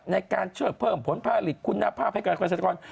ในการช่วยเพิ่มผลผลิตคุณภาพให้กับเกษตรกร